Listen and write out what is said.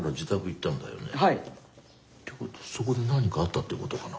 ってことはそこで何かあったってことかな？